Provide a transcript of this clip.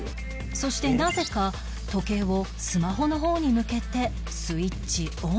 そしてなぜか時計をスマホの方に向けてスイッチオン